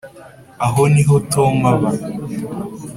aho niho tom aba